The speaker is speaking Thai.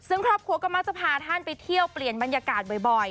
ซึ่งครอบครัวก็มักจะพาท่านไปเที่ยวเปลี่ยนบรรยากาศบ่อย